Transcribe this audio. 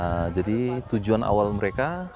nah jadi tujuan awal mereka